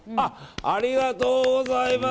ありがとうございます。